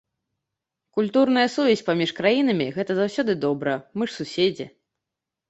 Культурная сувязь паміж краінамі гэта заўсёды добра, мы ж суседзі.